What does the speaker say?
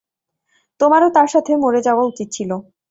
তোমারও তার সাথে মরে যাওয়া উচিৎ ছিল!